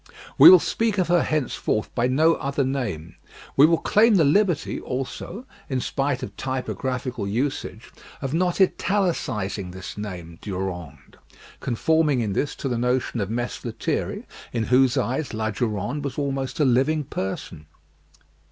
We will speak of her henceforth by no other name; we will claim the liberty, also, in spite of typographical usage, of not italicising this name Durande; conforming in this to the notion of Mess Lethierry, in whose eyes La Durande was almost a living person.